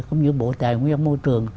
cũng như bộ tài nguyên môi trường